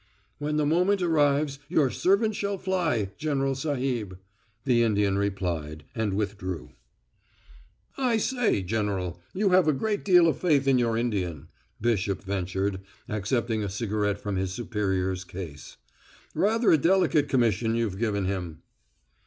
"When the moment arrives, your servant shall fly, General Sahib," the Indian replied, and withdrew. "I say, General, you have a great deal of faith in your Indian," Bishop ventured, accepting a cigarette from his superior's case. "Rather a delicate commission you've given him."